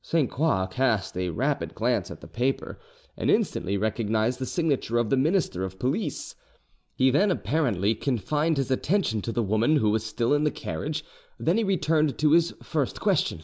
Sainte Croix cast a rapid glance at the paper, and instantly recognised the signature of the minister of police: he then apparently confined his attention to the woman who was still in the carriage; then he returned to his first question.